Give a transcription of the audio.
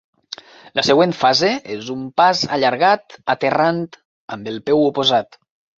La següent fase es un pas allargat, aterrant amb el peu oposat.